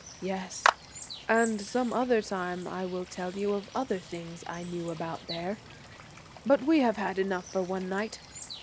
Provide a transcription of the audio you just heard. "Yes, and some other time I will tell you of other things I knew about there, but we have had enough for one night.